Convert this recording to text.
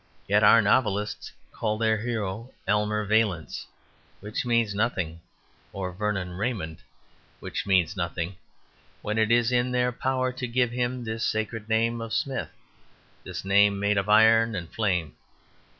Yet our novelists call their hero "Aylmer Valence," which means nothing, or "Vernon Raymond," which means nothing, when it is in their power to give him this sacred name of Smith this name made of iron and flame.